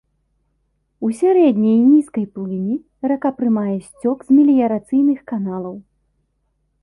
У сярэдняй і нізкай плыні рака прымае сцёк з меліярацыйных каналаў.